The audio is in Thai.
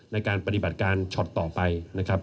ในการปฏิบัติการช็อตต่อไปนะครับ